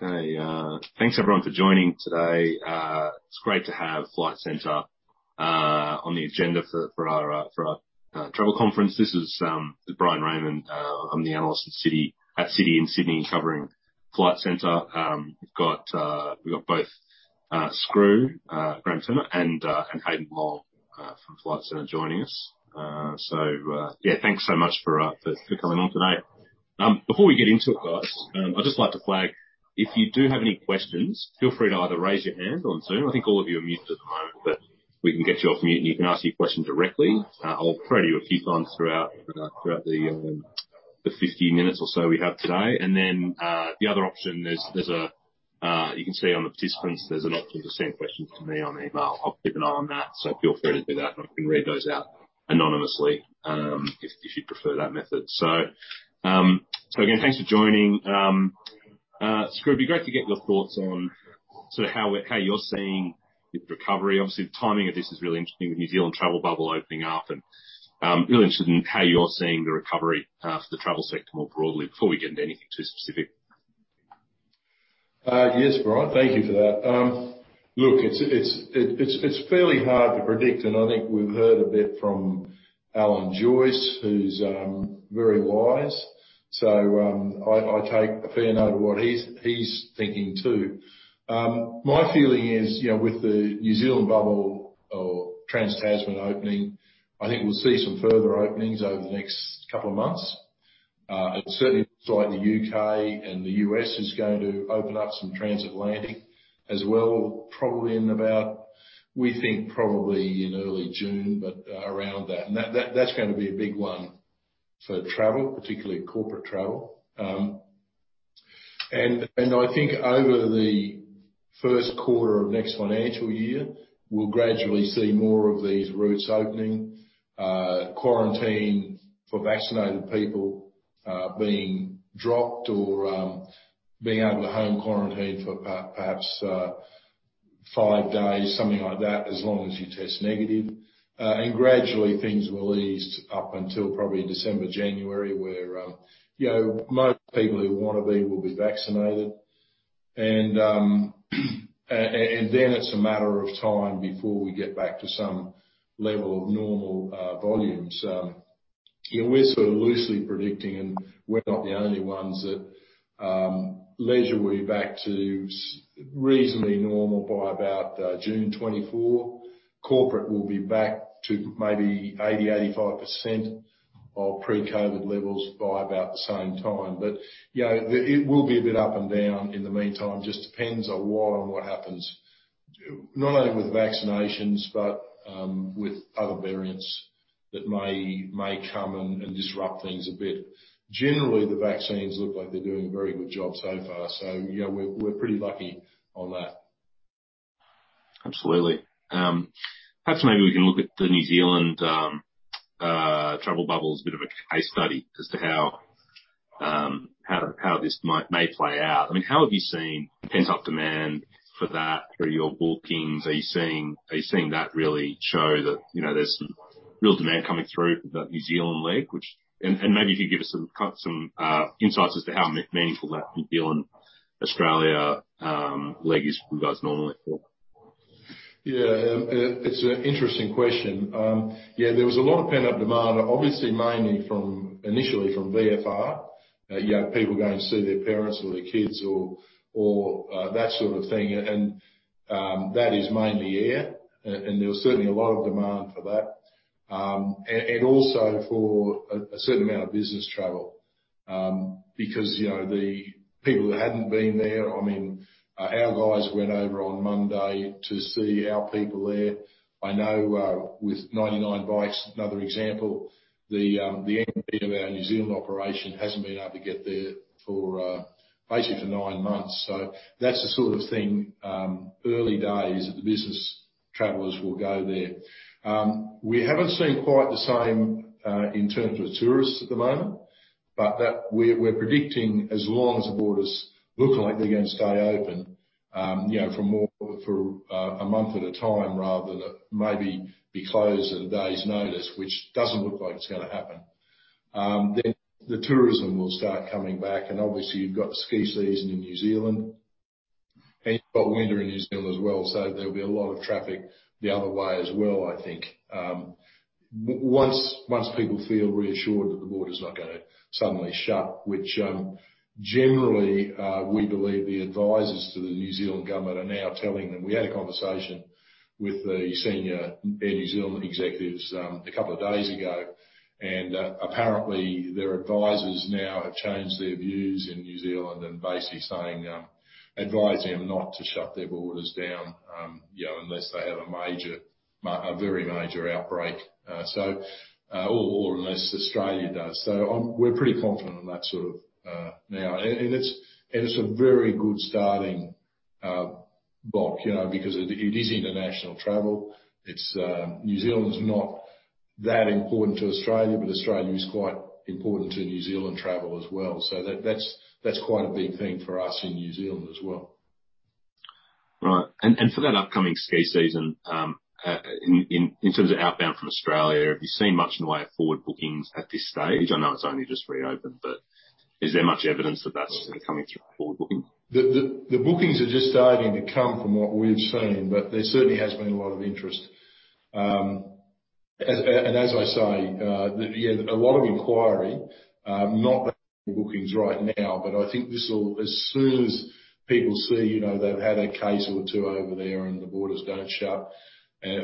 Okay. Thanks everyone for joining today. It's great to have Flight Centre on the agenda for our travel conference. This is Bryan Raymond. I'm the analyst at Citi in Sydney covering Flight Centre. We've got both Skroo, Graham Turner, and Haydn Long from Flight Centre joining us. Yeah, thanks so much for coming on today. Before we get into it, guys, I'd just like to flag, if you do have any questions, feel free to either raise your hand on Zoom. I think all of you are muted at the moment, but we can get you off mute, and you can ask your question directly. I'll throw to you a few times throughout the 50 minutes or so we have today. The other option is, you can see on the participants, there's an option to send questions to me on email. I'll keep an eye on that, so feel free to do that, and I can read those out anonymously, if you'd prefer that method. Again, thanks for joining. Skroo, it'd be great to get your thoughts on how you're seeing the recovery. Obviously, the timing of this is really interesting with New Zealand travel bubble opening up, and really interested in how you're seeing the recovery for the travel sector more broadly before we get into anything too specific. Yes, Bryan, thank you for that. Look, it's fairly hard to predict. I think we've heard a bit from Alan Joyce, who's very wise. I take a fair note of what he's thinking too. My feeling is, with the New Zealand bubble or Trans-Tasman opening, I think we'll see some further openings over the next couple of months. It certainly looks like the U.K. and the U.S. is going to open up some transatlantic as well, we think probably in early June, but around that. That's going to be a big one for travel, particularly corporate travel. I think over the first quarter of next financial year, we'll gradually see more of these routes opening, quarantine for vaccinated people being dropped or being able to home quarantine for perhaps five days, something like that, as long as you test negative. Gradually things will ease up until probably December, January, where most people who want to be will be vaccinated. Then it's a matter of time before we get back to some level of normal volumes. We're sort of loosely predicting, and we're not the only ones, that leisure will be back to reasonably normal by about June 2024. Corporate will be back to maybe 80%-85% of pre-COVID levels by about the same time. It will be a bit up and down in the meantime. Just depends on what happens, not only with vaccinations, but with other variants that may come and disrupt things a bit. Generally, the vaccines look like they're doing a very good job so far. We're pretty lucky on that. Absolutely. Perhaps maybe we can look at the New Zealand travel bubble as a bit of a case study as to how this may play out. How have you seen pent-up demand for that through your bookings? Are you seeing that really show that there's some real demand coming through for the New Zealand leg? Maybe if you could give us some insights as to how meaningful that New Zealand-Australia leg is for you guys normally. It's an interesting question. There was a lot of pent-up demand, obviously mainly from, initially from VFR, young people going to see their parents or their kids or that sort of thing. That is mainly air, and there was certainly a lot of demand for that. Also for a certain amount of business travel, because the people that hadn't been there, our guys went over on Monday to see our people there. I know with 99 Bikes, another example, the MD of our New Zealand operation hasn't been able to get there for basically nine months. That's the sort of thing, early days that the business travelers will go there. We haven't seen quite the same in terms of tourists at the moment. We're predicting as long as the borders look like they're going to stay open for a month at a time rather than maybe be closed at a day's notice, which doesn't look like it's going to happen, then the tourism will start coming back. Obviously you've got the ski season in New Zealand, and you've got winter in New Zealand as well, so there'll be a lot of traffic the other way as well, I think. Once people feel reassured that the border's not going to suddenly shut, which generally, we believe the advisers to the New Zealand government are now telling them. We had a conversation with the senior Air New Zealand executives a couple of days ago, apparently their advisers now have changed their views in New Zealand and basically saying, advising them not to shut their borders down unless they have a very major outbreak. Unless Australia does. We're pretty confident on that now. It's a very good starting block, because it is international travel. New Zealand's not that important to Australia is quite important to New Zealand travel as well. That's quite a big thing for us in New Zealand as well. Right. For that upcoming ski season, in terms of outbound from Australia, have you seen much in the way of forward bookings at this stage? I know it's only just reopened, but is there much evidence that that's coming through forward bookings? The bookings are just starting to come from what we've seen, but there certainly has been a lot of interest. As I say, a lot of inquiry, not the bookings right now. I think as soon as people see they've had a case or two over there, and the borders don't shut,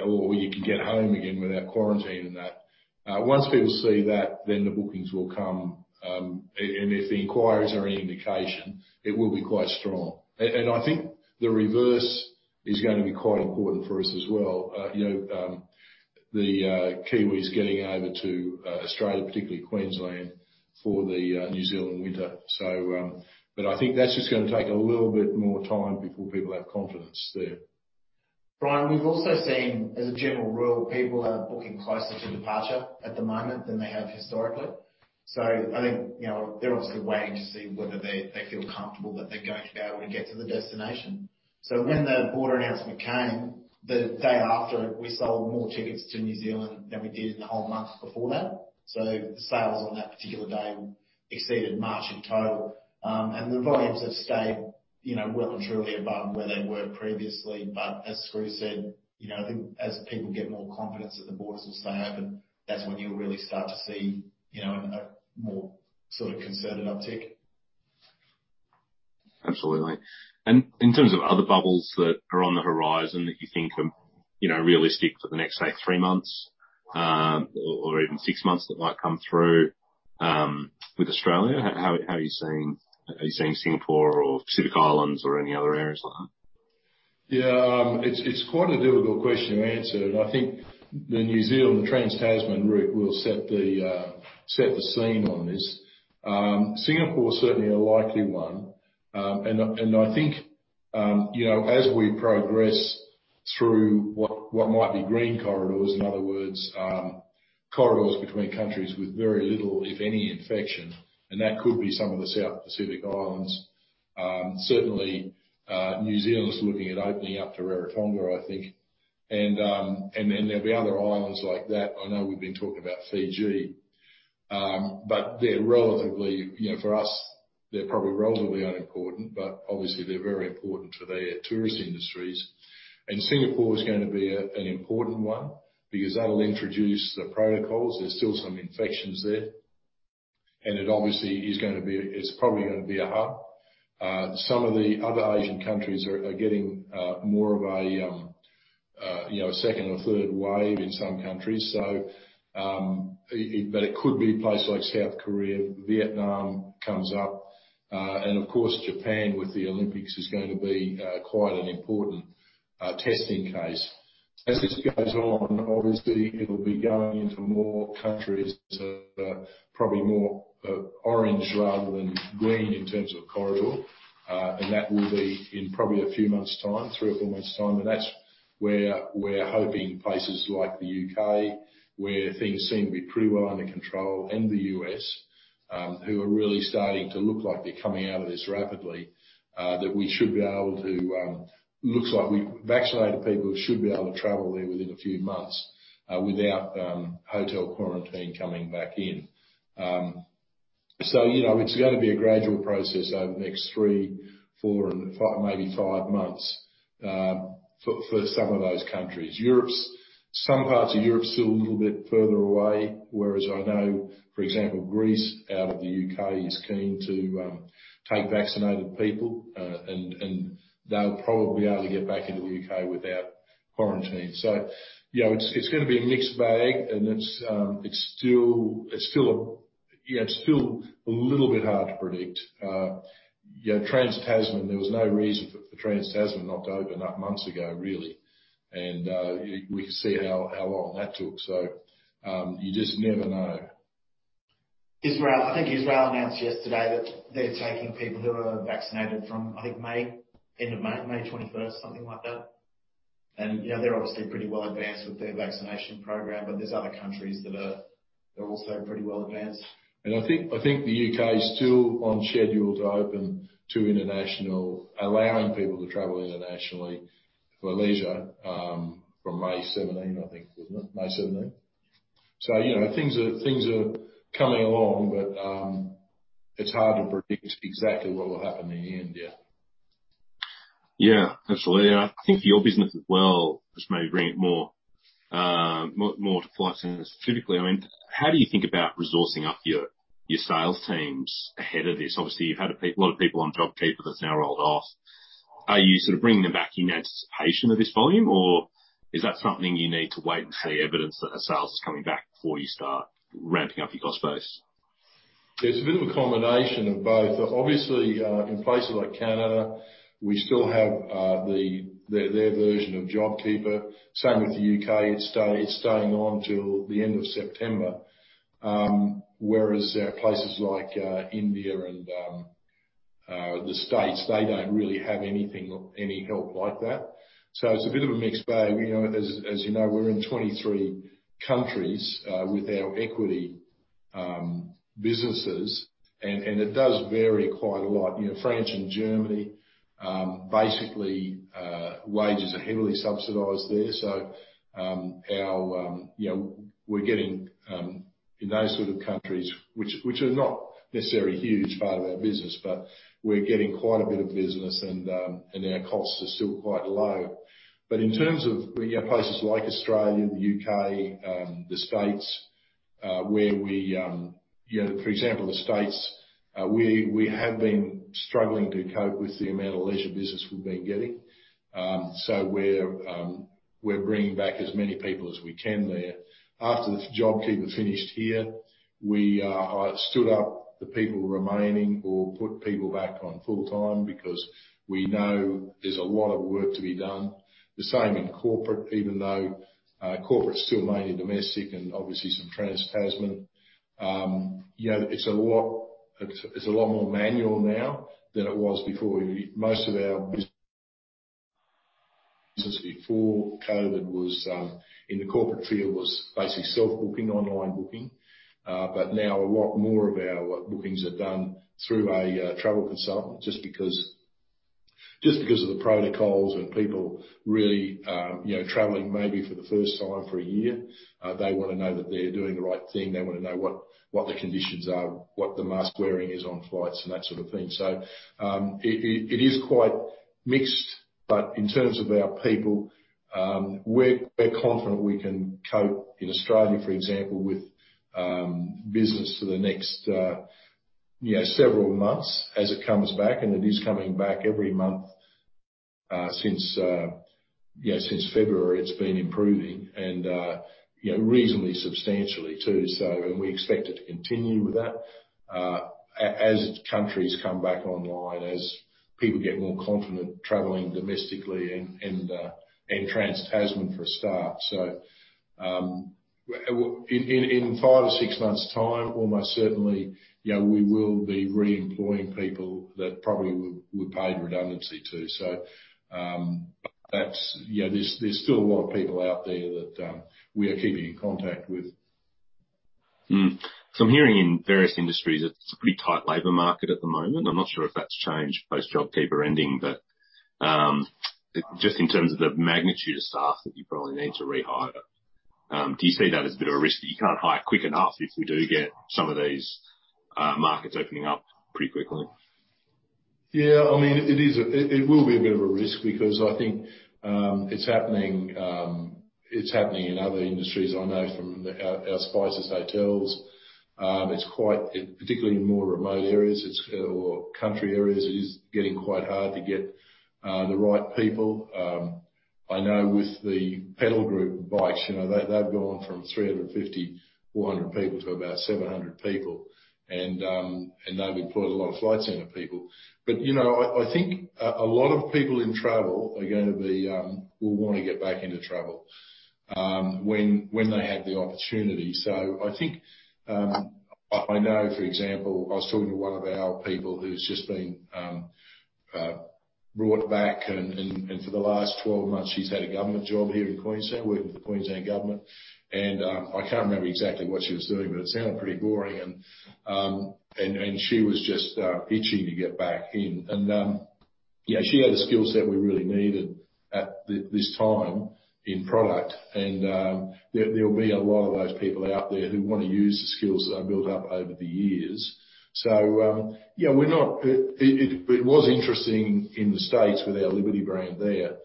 or you can get home again without quarantine and that. Once people see that, then the bookings will come. If the inquiries are any indication, it will be quite strong. I think the reverse is going to be quite important for us as well. The Kiwis getting over to Australia, particularly Queensland, for the New Zealand winter. I think that's just going to take a little bit more time before people have confidence there. Bryan, we've also seen, as a general rule, people are booking closer to departure at the moment than they have historically. I think they're obviously waiting to see whether they feel comfortable that they're going to be able to get to the destination. When the border announcement came, the day after, we sold more tickets to New Zealand than we did in the whole month before that. The sales on that particular day exceeded March in total. The volumes have stayed well and truly above where they were previously. As Screw said, I think as people get more confidence that the borders will stay open, that's when you'll really start to see a more sort of concerted uptick. Absolutely. In terms of other bubbles that are on the horizon that you think are realistic for the next, say, three months, or even six months that might come through, with Australia, how are you seeing Singapore or Pacific Islands or any other areas like that? Yeah, it's quite a difficult question to answer. I think the New Zealand, the Trans-Tasman route will set the scene on this. Singapore is certainly a likely one. I think as we progress through what might be green corridors, in other words, corridors between countries with very little, if any infection, and that could be some of the South Pacific Islands. Certainly, New Zealand is looking at opening up to Rarotonga, I think. Then there'll be other islands like that. I know we've been talking about Fiji. For us, they're probably relatively unimportant, but obviously, they're very important for their tourist industries. Singapore is going to be an important one because that'll introduce the protocols. There's still some infections there. It obviously is probably going to be a hub. Some of the other Asian countries are getting more of a second or third wave in some countries. It could be places like South Korea, Vietnam comes up. Of course, Japan with the Olympics is going to be quite an important testing case. As this goes on, obviously, it'll be going into more countries that are probably more orange rather than green in terms of corridor. That will be in probably a few months' time, three or four months' time. That's where we're hoping places like the U.K., where things seem to be pretty well under control, and the U.S., who are really starting to look like they're coming out of this rapidly. It looks like vaccinated people should be able to travel there within a few months without hotel quarantine coming back in. It's going to be a gradual process over the next three, four, and maybe five months for some of those countries. Some parts of Europe still a little bit further away, whereas I know, for example, Greece out of the U.K. is keen to take vaccinated people. They'll probably be able to get back into the U.K. without quarantine. It's going to be a mixed bag, and it's still a little bit hard to predict. Trans-Tasman, there was no reason for Trans-Tasman not to open up months ago, really. We can see how long that took. You just never know. I think Israel announced yesterday that they're taking people who are vaccinated from, I think end of May 21st, something like that. They're obviously pretty well advanced with their vaccination program, but there's other countries that are also pretty well advanced. I think the U.K. is still on schedule to open to international, allowing people to travel internationally for leisure, from May 17, I think, wasn't it? May 17. Things are coming along, but it's hard to predict exactly what will happen in the end, yeah. Yeah, absolutely. I think for your business as well, just maybe bring it more to Flight Centre specifically. How do you think about resourcing up your sales teams ahead of this? Obviously, you've had a lot of people on JobKeeper that's now rolled off. Are you sort of bringing them back in anticipation of this volume, or is that something you need to wait and see evidence that sales is coming back before you start ramping up your cost base? It's a bit of a combination of both. Obviously, in places like Canada, we still have their version of JobKeeper. Same with the U.K. It's staying on till the end of September. Whereas places like India and the U.S., they don't really have anything or any help like that. It's a bit of a mixed bag. As you know, we're in 23 countries with our equity- businesses, and it does vary quite a lot. France and Germany, basically, wages are heavily subsidized there. We're getting, in those sort of countries, which are not necessarily a huge part of our business, but we're getting quite a bit of business, and our costs are still quite low. In terms of places like Australia, the U.K., the U.S., for example, the U.S., we have been struggling to cope with the amount of leisure business we've been getting. We're bringing back as many people as we can there. After the JobKeeper finished here, I stood up the people remaining or put people back on full-time because we know there's a lot of work to be done. The same in corporate, even though corporate's still mainly domestic and obviously some Trans-Tasman. It's a lot more manual now than it was before. Most of our business before COVID, in the corporate field, was basically self-booking, online booking. Now a lot more of our bookings are done through a travel consultant just because of the protocols and people really traveling maybe for the first time for a year. They want to know that they're doing the right thing. They want to know what the conditions are, what the mask wearing is on flights, and that sort of thing. It is quite mixed, but in terms of our people, we're confident we can cope in Australia, for example, with business for the next several months as it comes back, and it is coming back every month. Since February, it's been improving and reasonably substantially, too. We expect it to continue with that. As countries come back online, as people get more confident traveling domestically and Trans-Tasman for a start. In five or six months' time, almost certainly, we will be re-employing people that probably were paid redundancy too. There's still a lot of people out there that we are keeping in contact with. I'm hearing in various industries that it's a pretty tight labor market at the moment. I'm not sure if that's changed post-JobKeeper ending, but just in terms of the magnitude of staff that you probably need to rehire, do you see that as a bit of a risk that you can't hire quick enough if we do get some of these markets opening up pretty quickly? Yeah. It will be a bit of a risk because I think it's happening in other industries. I know from our Spicers Retreats, particularly in more remote areas or country areas, it is getting quite hard to get the right people. I know with the Pedal Group bikes, they've gone from 350-400 people to about 700 people, and they've employed a lot of Flight Centre people. I think a lot of people in travel will want to get back into travel when they have the opportunity. I know, for example, I was talking to one of our people who's just been brought back, and for the last 12 months, she's had a government job here in Queensland, working for the Queensland Government. I can't remember exactly what she was doing, but it sounded pretty boring, and she was just itching to get back in. She had a skill set we really needed at this time in product, and there'll be a lot of those people out there who want to use the skills that they built up over the years. It was interesting in the States with our Liberty brand there,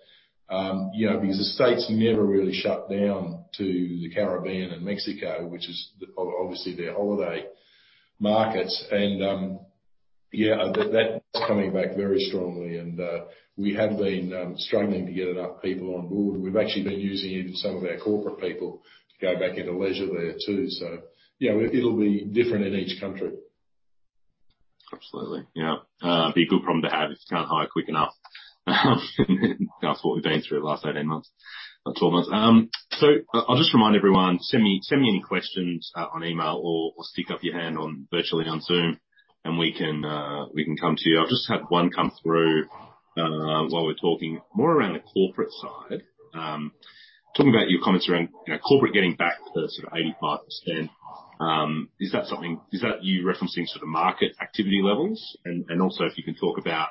because the States never really shut down to the Caribbean and Mexico, which is obviously their holiday markets. That is coming back very strongly, and we have been struggling to get enough people on board. We've actually been using even some of our corporate people to go back into leisure there, too. It'll be different in each country. Absolutely. Yeah. It'd be a good problem to have if you can't hire quick enough than what we've been through the last 18 months or 12 months. I'll just remind everyone, send me any questions on email or stick up your hand virtually on Zoom, and we can come to you. I've just had one come through while we're talking more around the corporate side. Talking about your comments around corporate getting back to the sort of 85%. Is that you referencing sort of market activity levels? Also if you can talk about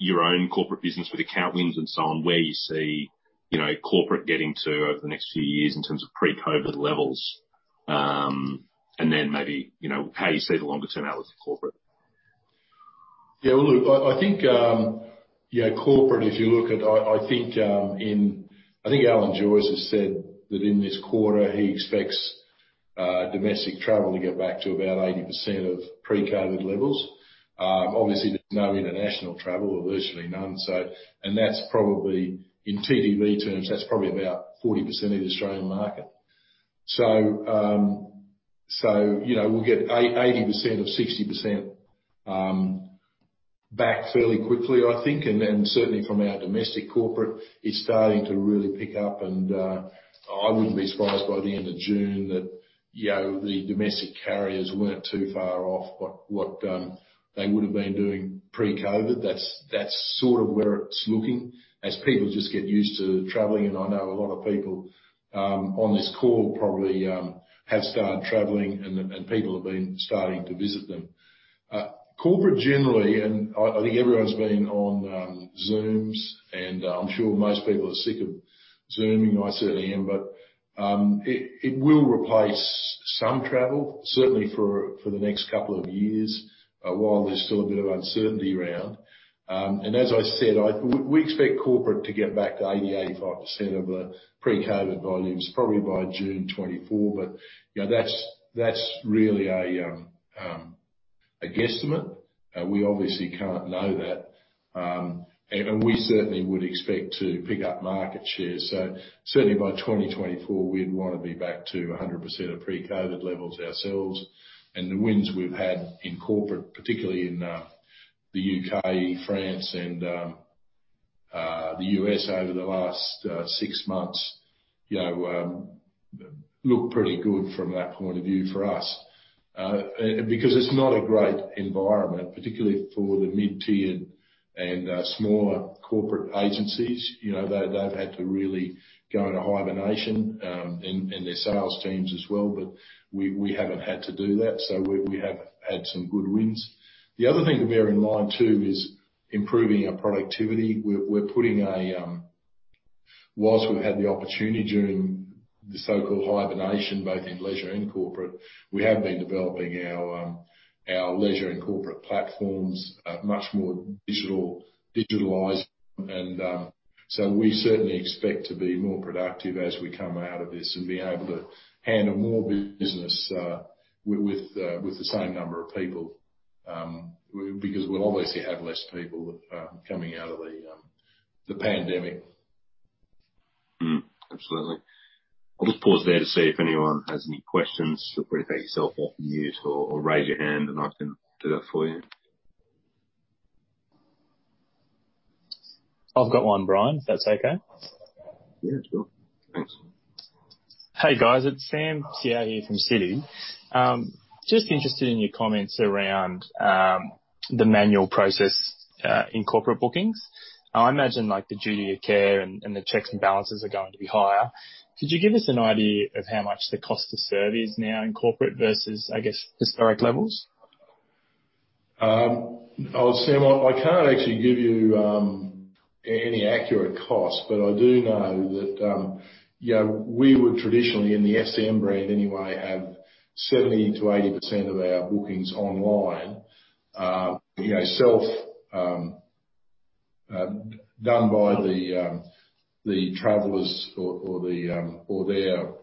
your own corporate business with account wins and so on, where you see corporate getting to over the next few years in terms of pre-COVID levels. Then maybe, how you see the longer term out with the corporate. Well, look, corporate, as you look at, I think Alan Joyce has said that in this quarter, he expects domestic travel to get back to about 80% of pre-COVID levels. There's no international travel or virtually none. In TTV terms, that's probably about 40% of the Australian market. We'll get 80% of 60% back fairly quickly, I think. Certainly from our domestic corporate, it's starting to really pick up, and I wouldn't be surprised by the end of June that the domestic carriers weren't too far off what they would have been doing pre-COVID. That's sort of where it's looking as people just get used to traveling, and I know a lot of people on this call probably have started traveling, and people have been starting to visit them. Corporate generally, I'm sure most people are sick of Zooming. I certainly am. It will replace some travel, certainly for the next couple of years, while there's still a bit of uncertainty around. As I said, we expect corporate to get back to 80%-85% of the pre-COVID volumes, probably by June 2024. That's really a guesstimate. We obviously can't know that. We certainly would expect to pick up market share. Certainly, by 2024, we'd want to be back to 100% of pre-COVID levels ourselves. The wins we've had in corporate, particularly in the U.K., France, and the U.S. over the last six months, look pretty good from that point of view for us. Because it's not a great environment, particularly for the mid-tier and smaller corporate agencies. They've had to really go into hibernation, and their sales teams as well, but we haven't had to do that. We have had some good wins. The other thing that we have in mind, too, is improving our productivity. Whilst we've had the opportunity during the so-called hibernation, both in leisure and corporate, we have been developing our leisure and corporate platforms, much more digitalized. We certainly expect to be more productive as we come out of this and be able to handle more business with the same number of people. Because we'll obviously have less people coming out of the pandemic. absolutely. I'll just pause there to see if anyone has any questions. Feel free to take yourself off mute or raise your hand, and I can do that for you. I've got one, Bryan, if that's okay. Yeah, it's cool. Thanks. Hey, guys, it's Sam Seow here from Citi. Just interested in your comments around the manual process in corporate bookings. I imagine the duty of care and the checks and balances are going to be higher. Could you give us an idea of how much the cost to serve is now in corporate versus, I guess, historic levels? Sam, I can't actually give you any accurate cost. I do know that we would traditionally, in the FCM brand anyway, have 70%-80% of our bookings online. Self, done by the travelers or their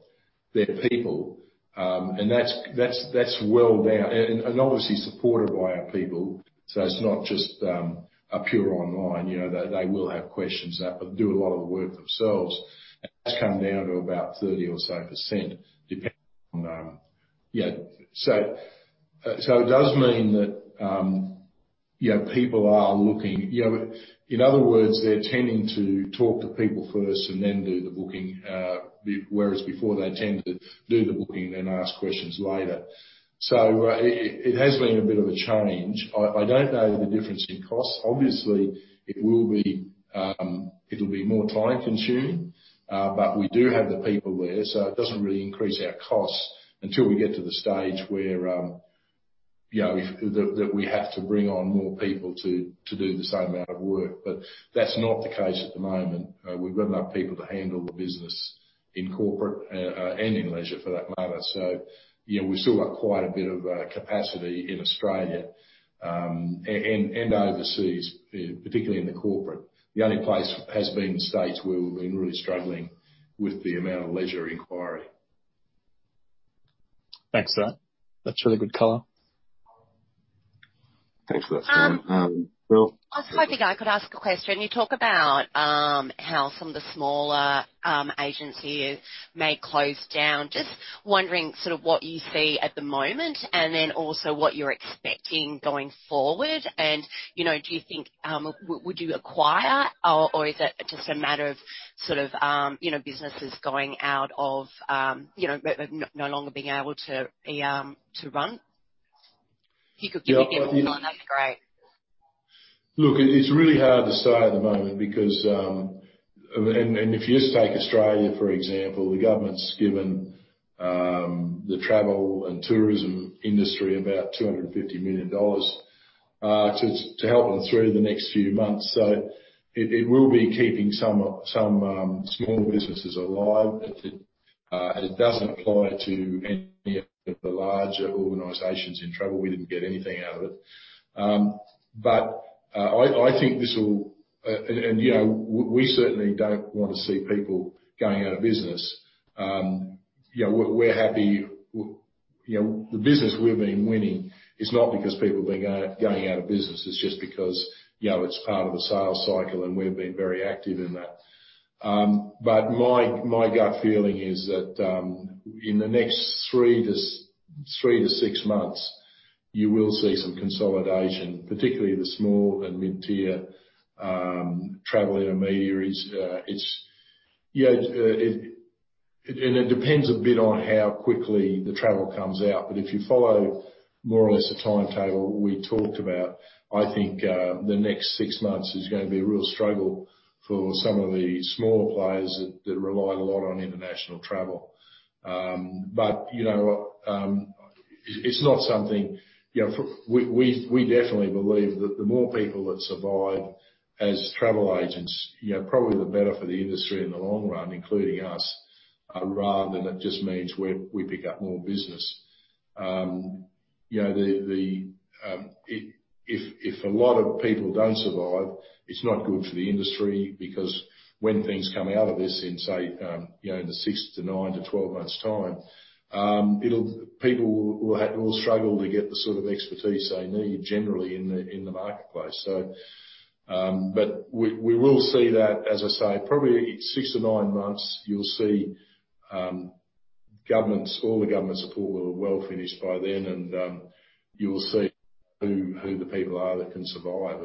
people. That's well down. Obviously supported by our people, so it's not just a pure online. They will have questions. They do a lot of the work themselves. That's come down to about 30% or so. It does mean that people are looking. In other words, they're tending to talk to people first and then do the booking. Whereas before, they tend to do the booking, then ask questions later. It has been a bit of a change. I don't know the difference in cost. Obviously, it'll be more time-consuming. We do have the people there, so it doesn't really increase our costs until we get to the stage where we have to bring on more people to do the same amount of work. That's not the case at the moment. We've got enough people to handle the business in corporate and in leisure for that matter. We've still got quite a bit of capacity in Australia and overseas, particularly in the corporate. The only place has been the U.S. where we've been really struggling with the amount of leisure inquiry. Thanks for that. That's really good color. Thanks for that, Sam. Phil? I was hoping I could ask a question. You talk about how some of the smaller agencies may close down. Just wondering what you see at the moment, then also what you're expecting going forward. Would you acquire, or is it just a matter of businesses no longer being able to run? If you could give me a feel, that'd be great. Look, it's really hard to say at the moment. If you just take Australia, for example, the government's given the travel and tourism industry about 250 million dollars to help them through the next few months. It will be keeping some smaller businesses alive. It doesn't apply to any of the larger organizations in travel. We didn't get anything out of it. We certainly don't want to see people going out of business. The business we've been winning is not because people have been going out of business. It's just because it's part of the sales cycle, and we've been very active in that. My gut feeling is that in the next three to six months, you will see some consolidation, particularly the small and mid-tier travel intermediaries. It depends a bit on how quickly the travel comes out. If you follow more or less the timetable we talked about, I think the next six months is going to be a real struggle for some of the smaller players that relied a lot on international travel. We definitely believe that the more people that survive as travel agents probably the better for the industry in the long run, including us, rather than it just means we pick up more business. If a lot of people don't survive, it's not good for the industry, because when things come out of this in say, six to nine to 12 months' time, people will struggle to get the sort of expertise they need generally in the marketplace. We will see that, as I say, probably six to nine months, you'll see all the government support will have well finished by then, and you will see who the people are that can survive.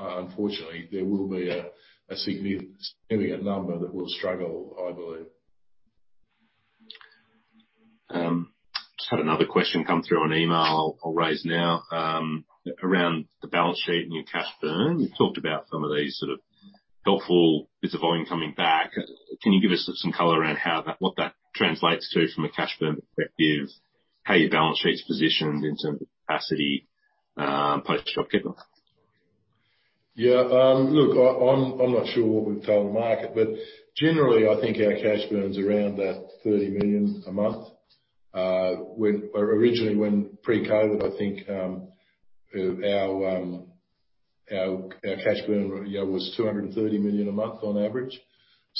Unfortunately, there will be a significant number that will struggle, I believe. Just had another question come through on email I'll raise now around the balance sheet and your cash burn. You've talked about some of these helpful bits of volume coming back. Can you give us some color around what that translates to from a cash burn perspective, how your balance sheet's positioned in terms of capacity, post-COVID? Yeah. Look, I'm not sure what we've told the market, but generally, I think our cash burn is around 30 million a month. Originally when pre-COVID, I think our cash burn was 230 million a month on average.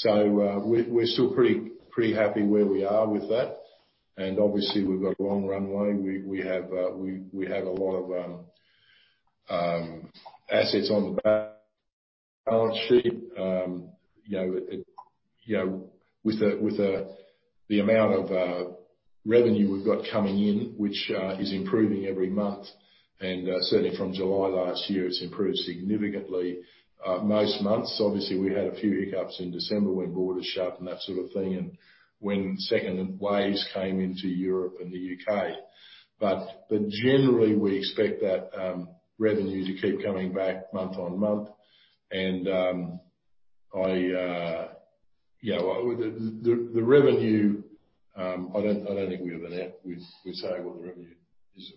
We're still pretty happy where we are with that. Obviously, we've got a long runway. We have a lot of assets on the balance sheet. With the amount of revenue we've got coming in, which is improving every month, and certainly from July last year, it's improved significantly most months. Obviously, we had a few hiccups in December when borders shut and that sort of thing, and when second waves came into Europe and the U.K. Generally, we expect that revenue to keep coming back month on month. The revenue, I don't think we have an app, we say what the revenue is.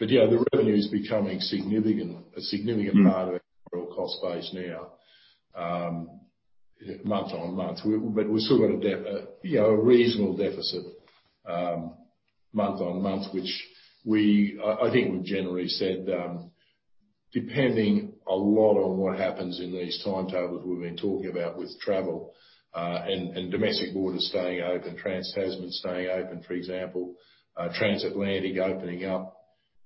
yeah, the revenue is becoming a significant-. part of our cost base now, month-on-month. We've still got a reasonable deficit, month-on-month, which I think we've generally said, depending a lot on what happens in these timetables we've been talking about with travel, and domestic borders staying open, trans-Tasman staying open, for example, transatlantic opening up.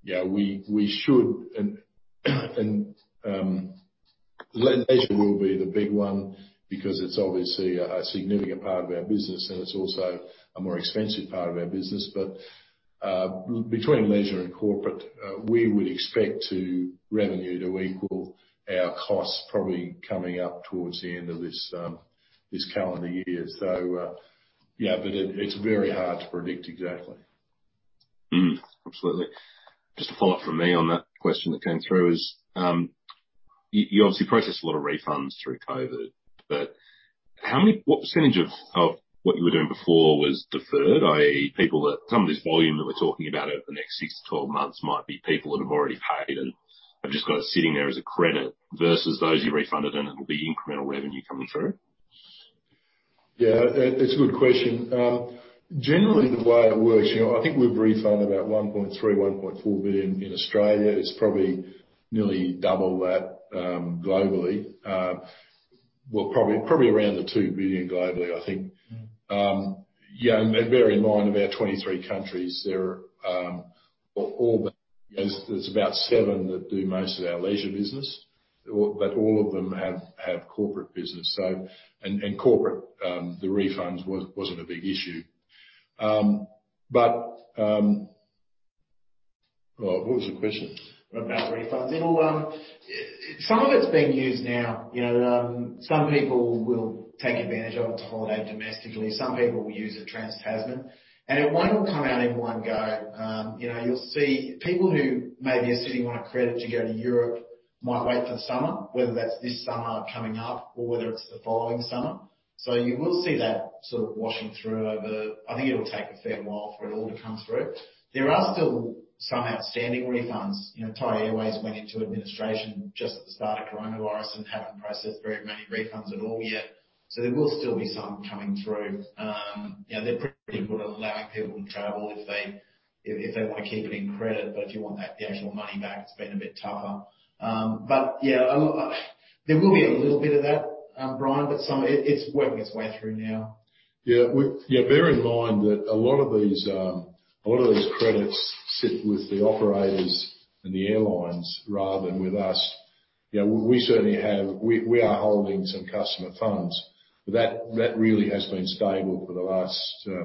We should and leisure will be the big one because it's obviously a significant part of our business, and it's also a more expensive part of our business. Between leisure and corporate, we would expect revenue to equal our costs probably coming up towards the end of this calendar year. It's very hard to predict exactly. Absolutely. Just a follow-up from me on that question that came through is, you obviously processed a lot of refunds through COVID, but what percentage of what you were doing before was deferred, i.e. some of this volume that we're talking about over the next six to 12 months might be people that have already paid and have just got it sitting there as a credit versus those you refunded, and it will be incremental revenue coming through? Yeah. That's a good question. Generally, the way it works, I think we've refunded about 1.3 billion-1.4 billion in Australia. It's probably nearly double that globally. Well, probably around 2 billion globally, I think. Yeah. Bear in mind we have 23 countries. There's about seven that do most of our leisure business, but all of them have corporate business. Corporate, the refunds wasn't a big issue. What was the question? About refunds. Some of it's being used now. Some people will take advantage of it to holiday domestically. Some people will use it Trans-Tasman. It won't all come out in one go. You'll see people who maybe are sitting on a credit to go to Europe might wait for the summer, whether that's this summer coming up or whether it's the following summer. You will see that sort of washing through over I think it'll take a fair while for it all to come through. There are still some outstanding refunds. Thai Airways went into administration just at the start of coronavirus and haven't processed very many refunds at all yet. There will still be some coming through. They're pretty good at allowing people to travel if they want to keep it in credit, but if you want the actual money back, it's been a bit tougher. yeah, there will be a little bit of that, Bryan, but it's working its way through now. Yeah. Bear in mind that a lot of these credits sit with the operators and the airlines rather than with us. We are holding some customer funds. That really has been stable for the last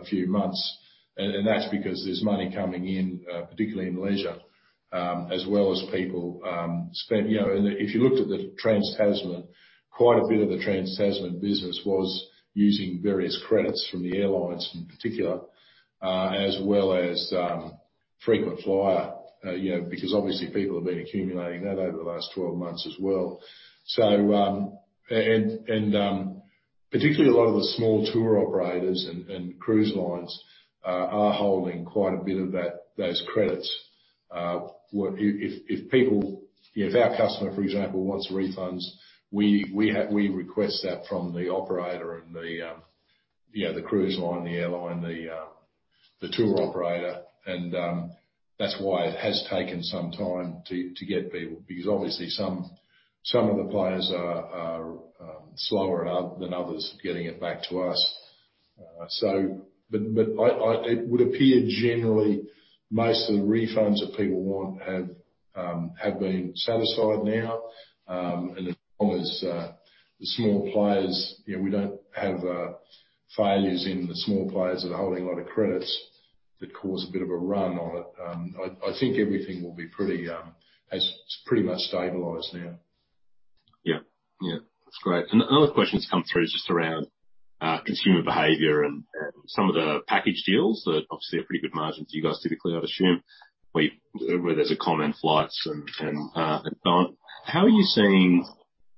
few months, and that's because there's money coming in, particularly in leisure, as well as people spend. If you looked at the Trans-Tasman, quite a bit of the Trans-Tasman business was using various credits from the airlines in particular, as well as frequent flyer, because obviously people have been accumulating that over the last 12 months as well. Particularly a lot of the small tour operators and cruise lines are holding quite a bit of those credits. If our customer, for example, wants refunds, we request that from the operator and the cruise line, the airline, the tour operator. That's why it has taken some time to get people, because obviously some of the players are slower than others at getting it back to us. It would appear generally, most of the refunds that people want have been satisfied now. As long as the small players, we don't have failures in the small players that are holding a lot of credits that cause a bit of a run on it. I think everything has pretty much stabilized now. Yeah. That's great. Another question that's come through is just around consumer behavior and some of the package deals that obviously are pretty good margins for you guys typically, I'd assume, where there's a comment, flights and so on. How are you seeing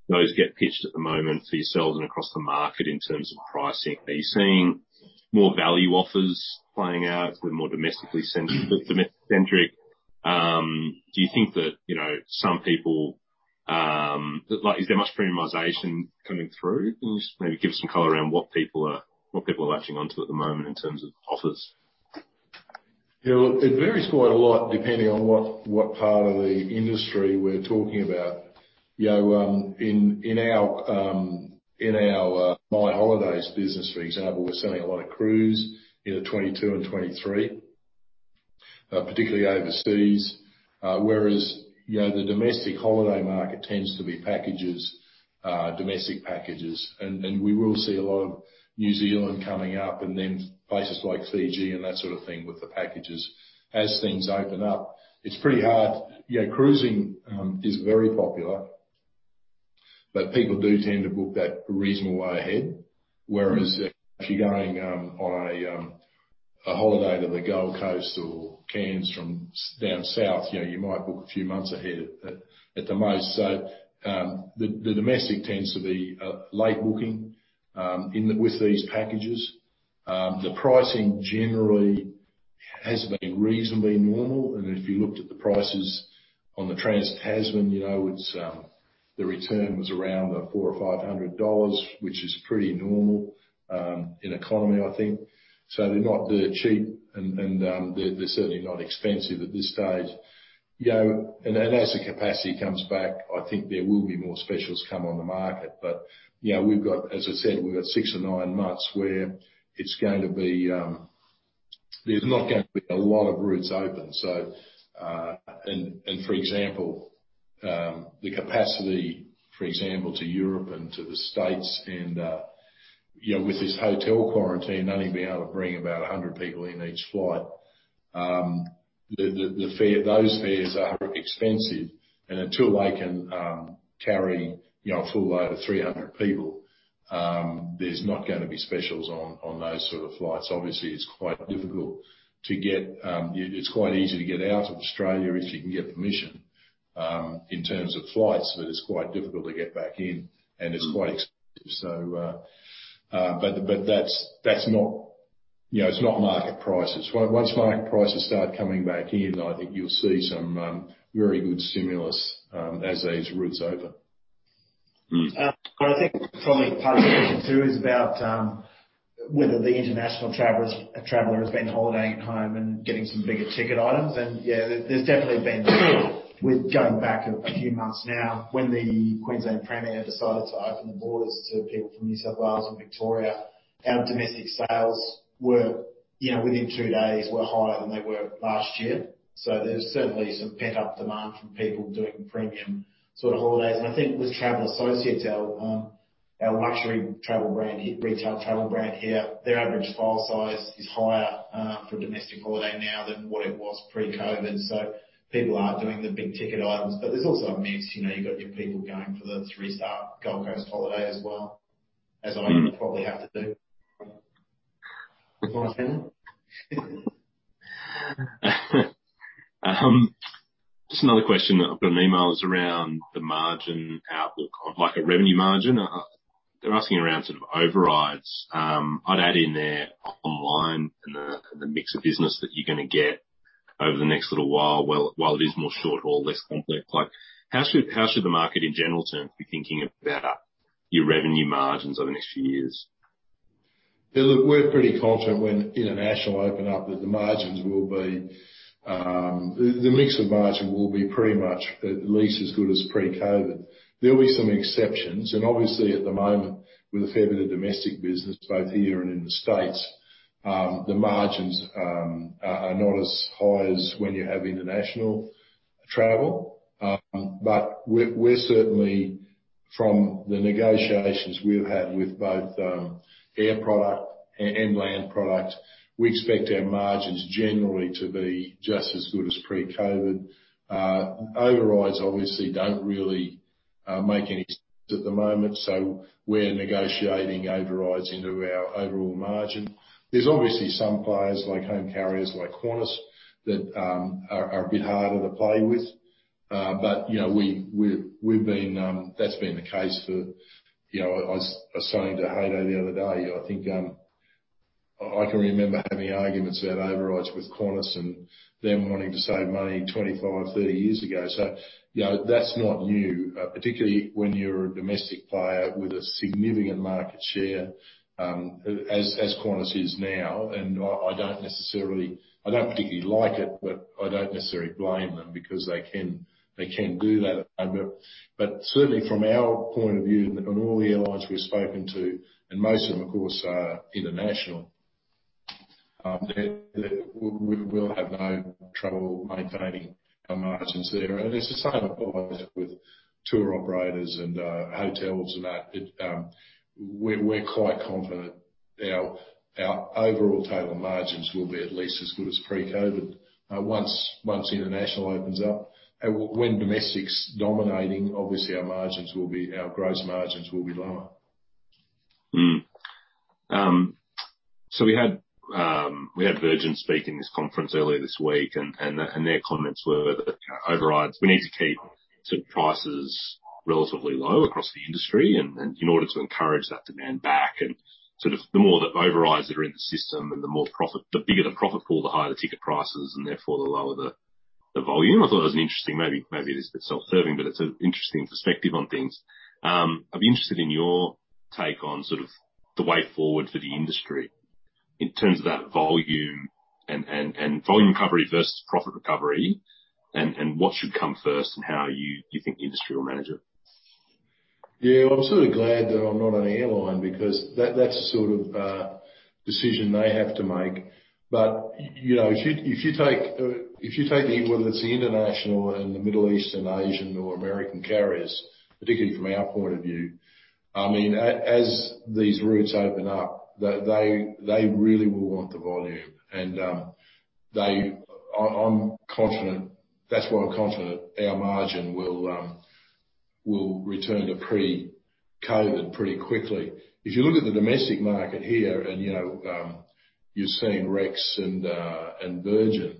those get pitched at the moment for yourselves and across the market in terms of pricing? Are you seeing more value offers playing out, the more domestically centric? Is there much premiumization coming through? Can you just maybe give us some color around what people are latching onto at the moment in terms of offers? Yeah, look, it varies quite a lot depending on what part of the industry we're talking about. In our My Holiday business, for example, we're selling a lot of cruise into 2022 and 2023, particularly overseas. The domestic holiday market tends to be packages, domestic packages. We will see a lot of New Zealand coming up and then places like Fiji and that sort of thing with the packages as things open up. It's pretty hard. Cruising is very popular, people do tend to book that a reasonable way ahead. If you're going on a holiday to the Gold Coast or Cairns from down south, you might book a few months ahead at the most. The domestic tends to be late booking with these packages. The pricing generally has been reasonably normal. If you looked at the prices on the Trans-Tasman, the return was around 400-500 dollars, which is pretty normal in economy, I think. They're not cheap, and they're certainly not expensive at this stage. As the capacity comes back, I think there will be more specials come on the market. As I said, we've got six to nine months where there's not going to be a lot of routes open. For example, the capacity to Europe and to the U.S., and with this hotel quarantine only being able to bring about 100 people in each flight. Those fares are expensive. Until they can carry a full load of 300 people, there's not going to be specials on those sort of flights. Obviously, it's quite easy to get out of Australia if you can get permission in terms of flights. It's quite difficult to get back in, and it's quite expensive. It's not market prices. Once market prices start coming back in, I think you'll see some very good stimulus as these routes open. I think probably part of the question too is about whether the international traveler has been holidaying at home and getting some bigger ticket items. Yeah, there's definitely been with going back a few months now, when the Queensland Premier decided to open the borders to people from New South Wales and Victoria. Our domestic sales within two days were higher than they were last year. There's certainly some pent-up demand from people doing premium sort of holidays. I think with Travel Associates, our luxury retail travel brand here, their average file size is higher for a domestic holiday now than what it was pre-COVID. People are doing the big ticket items. There's also a mix. You've got your people going for the three-star Gold Coast holiday as well, as I probably have to do. Just another question that I've got an email is around the margin outlook on a revenue margin. They're asking around overrides. I'd add in there online and the mix of business that you're going to get over the next little while. While it is more short-haul, less complex. How should the market in general terms be thinking about your revenue margins over the next few years? Yeah, look, we're pretty confident when international open up that the mix of margin will be pretty much at least as good as pre-COVID. There'll be some exceptions. Obviously, at the moment, with a fair bit of domestic business both here and in the U.S., the margins are not as high as when you have international travel. We're certainly from the negotiations we've had with both air product and land product, we expect our margins generally to be just as good as pre-COVID. Overrides obviously don't really make any sense at the moment, so we're negotiating overrides into our overall margin. There's obviously some players like home carriers like Qantas that are a bit harder to play with. That's been the case for, I was saying to Haydn the other day, I think I can remember having arguments about overrides with Qantas, and them wanting to save money 25, 30 years ago. That's not new, particularly when you're a domestic player with a significant market share, as Qantas is now. I don't particularly like it, but I don't necessarily blame them because they can do that. Certainly, from our point of view, and all the airlines we've spoken to, and most of them, of course, are international, we'll have no trouble maintaining our margins there. It's the same applies with tour operators and hotels and that. We're quite confident our overall tail of margins will be at least as good as pre-COVID once international opens up. When domestic's dominating, obviously, our gross margins will be lower. We had Virgin speak in this conference earlier this week, their comments were that overrides, we need to keep prices relatively low across the industry in order to encourage that demand back. The more the overrides that are in the system and the bigger the profit pool, the higher the ticket prices, and therefore, the lower the volume. I thought it was an interesting, maybe it is a bit self-serving, but it's an interesting perspective on things. I'd be interested in your take on the way forward for the industry in terms of that volume and volume recovery versus profit recovery, and what should come first and how you think the industry will manage it. Yeah. I'm sort of glad that I'm not an airline because that's the sort of decision they have to make. If you take whether it's the international and the Middle Eastern, Asian, or American carriers, particularly from our point of view, as these routes open up, they really will want the volume. I'm confident. That's why I'm confident our margin will return to pre-COVID pretty quickly. If you look at the domestic market here, and you're seeing Rex and Virgin.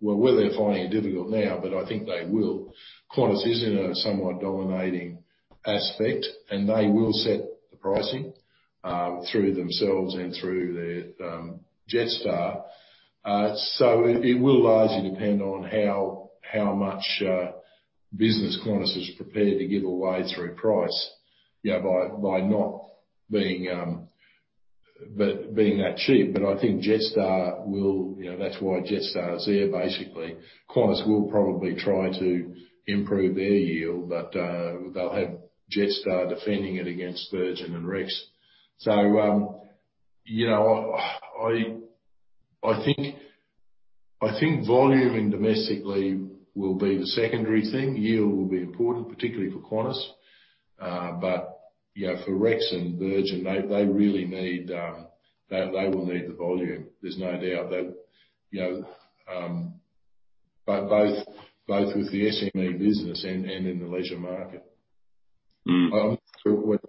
Well, whether they're finding it difficult now, but I think they will. Qantas is in a somewhat dominating aspect, and they will set the pricing through themselves and through their Jetstar. It will largely depend on how much business Qantas is prepared to give away through price by not being that cheap. That's why Jetstar is there, basically. Qantas will probably try to improve their yield, they'll have Jetstar defending it against Virgin and Rex. I think volume domestically will be the secondary thing. Yield will be important, particularly for Qantas. For Rex and Virgin, they will need the volume. There's no doubt. Both with the SME business and in the leisure market. I'm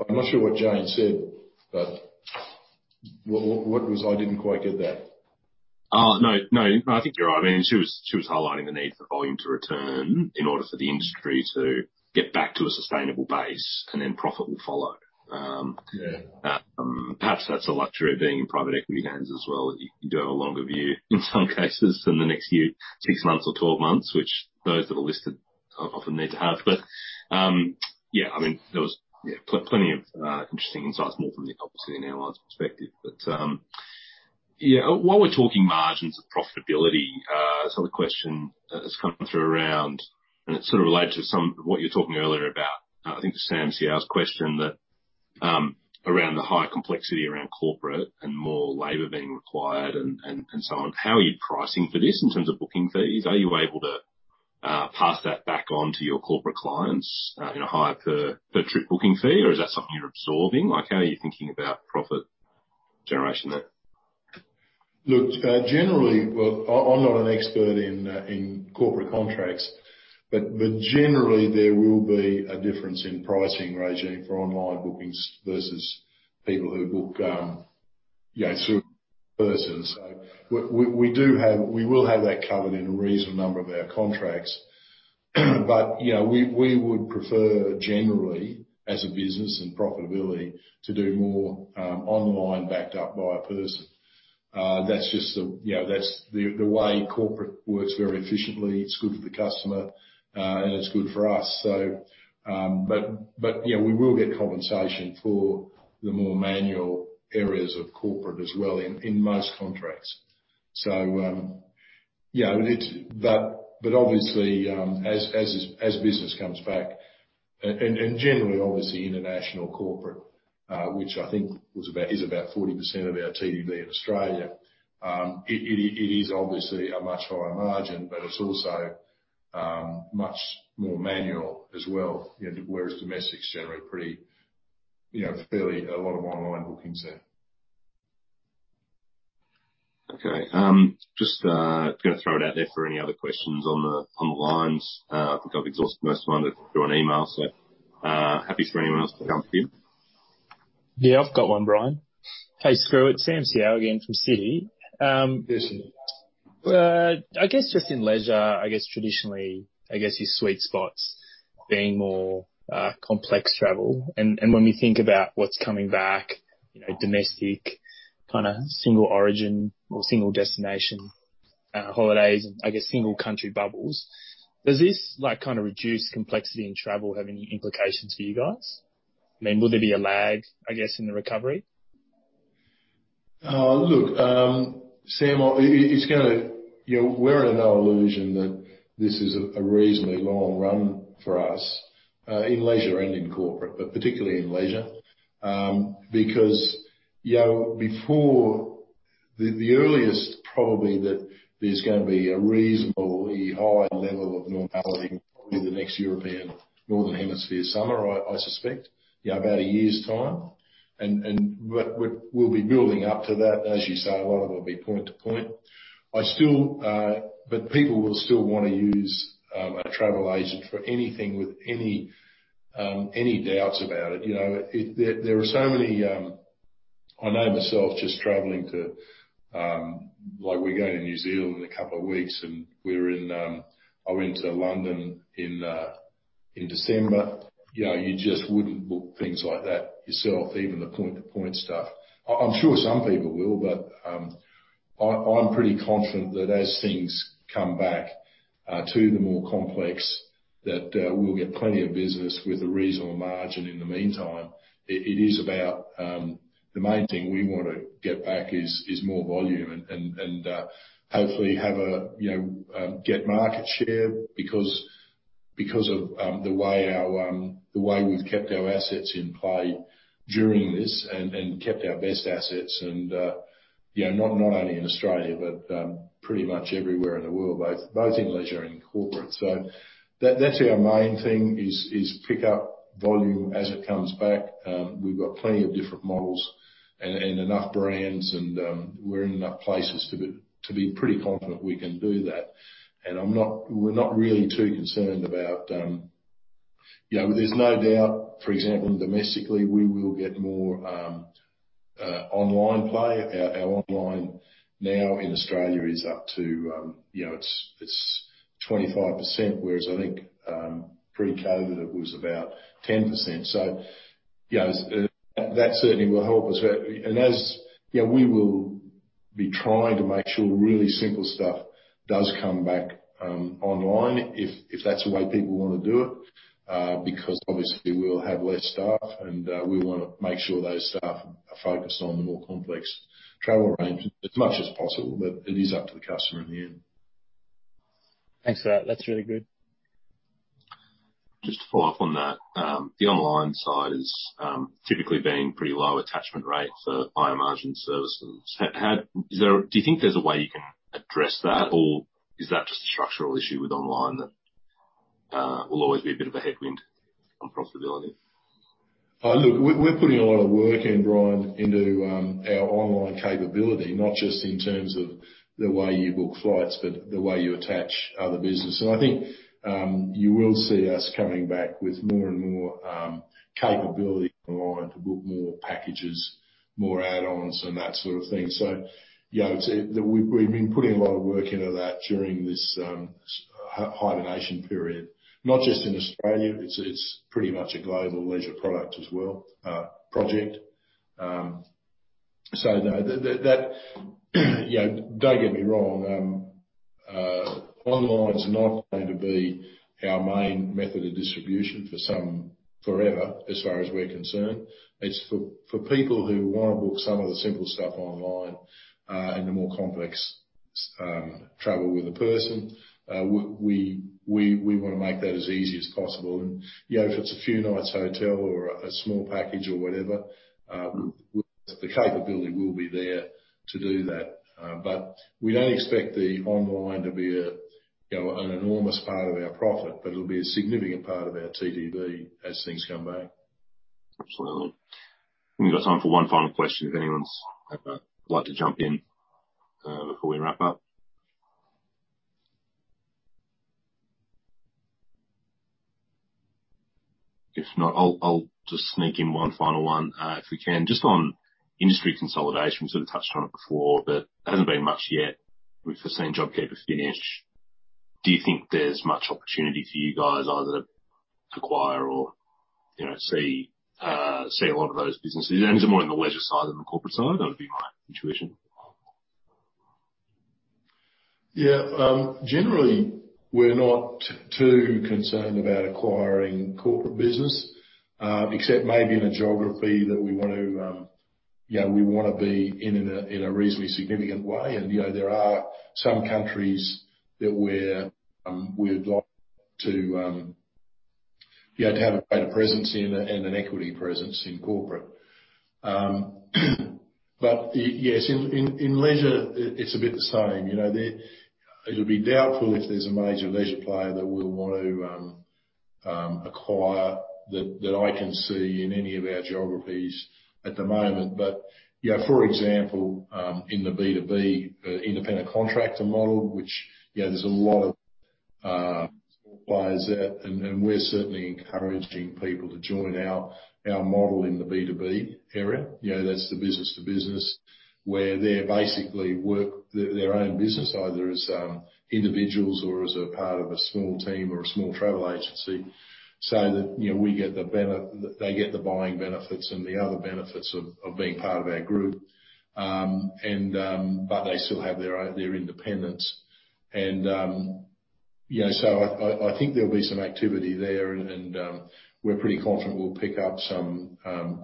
not sure what Jayne said, I didn't quite get that. No, I think you're right. She was highlighting the need for volume to return in order for the industry to get back to a sustainable base, and then profit will follow. Yeah. Perhaps that's a luxury of being in private equity hands as well. You can do a longer view in some cases than the next six months or 12 months, which those that are listed often need to have. Yeah, there was plenty of interesting insights, more from the obviously an airline's perspective. While we're talking margins and profitability, another question that's come through around, and it sort of relates to what you were talking earlier about, I think the Sam Seow's question, around the high complexity around corporate and more labor being required and so on. How are you pricing for this in terms of booking fees? Are you able to pass that back on to your corporate clients in a higher per trip booking fee? Is that something you're absorbing? How are you thinking about profit generation there? Look, I'm not an expert in corporate contracts. Generally, there will be a difference in pricing regime for online bookings versus people who book through persons. We will have that covered in a reasonable number of our contracts. We would prefer, generally, as a business and profitability, to do more online backed up by a person. That's the way corporate works very efficiently. It's good for the customer, and it's good for us. We will get compensation for the more manual areas of corporate as well in most contracts. Obviously, as business comes back, and generally, obviously, international corporate, which I think is about 40% of our TTV in Australia, it is obviously a much higher margin, but it's also much more manual as well. Whereas domestics generate fairly, a lot of online bookings there. Okay. Just going to throw it out there for any other questions on the lines. I think I've exhausted most of them through an email, so happy for anyone else to jump in. Yeah, I've got one, Bryan. Hey, Skroo, Sam Seow again from Citi. Yes. I guess just in leisure, I guess traditionally, I guess your sweet spot's being more complex travel. When we think about what's coming back, domestic, kind of single origin or single destination holidays and I guess single country bubbles. Does this kind of reduced complexity in travel have any implications for you guys? I mean, will there be a lag, I guess, in the recovery? Look, Sam, we're in no illusion that this is a reasonably long run for us, in leisure and in corporate, but particularly in leisure. Before the earliest probably that there's going to be a reasonably high level of normality, probably the next European northern hemisphere summer, I suspect. About a year's time. We'll be building up to that. As you say, a lot of it will be point to point. People will still want to use a travel agent for anything with any doubts about it. I know myself just traveling to, like we're going to New Zealand in a couple of weeks, and I went to London in December. You just wouldn't book things like that yourself. Even the point to point stuff. I'm sure some people will. I'm pretty confident that as things come back to the more complex, that we'll get plenty of business with a reasonable margin in the meantime. The main thing we want to get back is more volume and hopefully get market share because of the way we've kept our assets in play during this and kept our best assets and not only in Australia, but pretty much everywhere in the world, both in leisure and corporate. That's our main thing is pick up volume as it comes back. We've got plenty of different models and enough brands. We're in enough places to be pretty confident we can do that. We're not really too concerned about. There's no doubt, for example, domestically, we will get more online play. Our online now in Australia is up to 25%, whereas I think pre-COVID it was about 10%. That certainly will help us. We will be trying to make sure really simple stuff does come back online if that's the way people want to do it. Obviously we'll have less staff, and we want to make sure those staff are focused on the more complex travel arrangements as much as possible. It is up to the customer in the end. Thanks for that. That's really good. Just to follow up on that. The online side is typically been pretty low attachment rates for higher margin services. Do you think there's a way you can address that or is that just a structural issue with online that will always be a bit of a headwind on profitability? Look, we're putting a lot of work in, Bryan, into our online capability, not just in terms of the way you book flights, but the way you attach other business. I think you will see us coming back with more and more capability online to book more packages, more add-ons, and that sort of thing. We've been putting a lot of work into that during this hibernation period, not just in Australia. It's pretty much a global leisure product as well, project. Don't get me wrong. Online's not going to be our main method of distribution forever, as far as we're concerned. It's for people who want to book some of the simple stuff online, and the more complex travel with a person. We want to make that as easy as possible. If it's a few nights hotel or a small package or whatever, the capability will be there to do that. We don't expect the online to be an enormous part of our profit, but it'll be a significant part of our TTV as things come back. Absolutely. We've got time for one final question if anyone's like to jump in before we wrap up. If not, I'll just sneak in one final one, if we can. Just on industry consolidation. We sort of touched on it before, but there hasn't been much yet. We've just seen JobKeeper finish. Do you think there's much opportunity for you guys either to acquire or see a lot of those businesses? It's more on the leisure side than the corporate side, that would be my intuition. Yeah. Generally, we're not too concerned about acquiring corporate business. Except maybe in a geography that we want to be in a reasonably significant way. There are some countries that we'd like to have a greater presence in and an equity presence in corporate. Yes, in leisure it's a bit the same. It'll be doubtful if there's a major leisure player that we'll want to acquire that I can see in any of our geographies at the moment. For example, in the B2B independent contractor model, which there's a lot of small players out there, and we're certainly encouraging people to join our model in the B2B area. That's the business to business, where they basically work their own business, either as individuals or as a part of a small team or a small travel agency. That they get the buying benefits and the other benefits of being part of our group. They still have their independence. I think there'll be some activity there, and we're pretty confident we'll pick up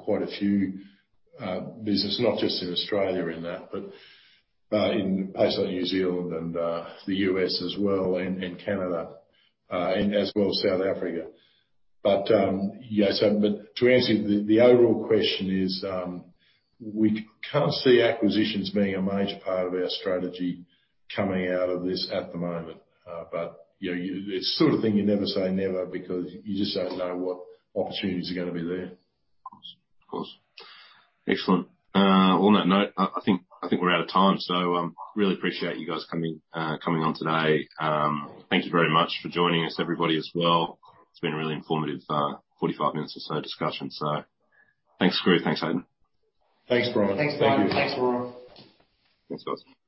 quite a few business, not just in Australia in that, but in New Zealand and the U.S. as well, and Canada, as well as South Africa. To answer the overall question is, we can't see acquisitions being a major part of our strategy coming out of this at the moment. It's the sort of thing you never say never, because you just don't know what opportunities are going to be there. Of course. Excellent. On that note, I think we're out of time. Really appreciate you guys coming on today. Thank you very much for joining us, everybody as well. It's been a really informative 45 minutes or so discussion. Thanks, Screw. Thanks, Haydn. Thanks, Bryan. Thanks, Bryan. Thanks, Roy. Thanks, guys.